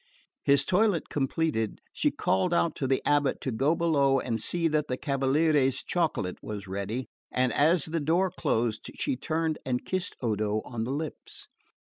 His toilet completed, she called out to the abate to go below and see that the cavaliere's chocolate was ready; and as the door closed she turned and kissed Odo on the lips.